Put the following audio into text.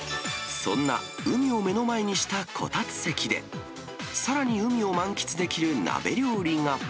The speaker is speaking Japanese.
そんな海を目の前にしたこたつ席で、さらに海を満喫できる鍋料理が。